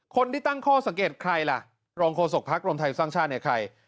คนที่ตั้งข้อสังเกตใครล่ะรองโฆษกพักรวมไทยสร้างชาติเนี่ยใคร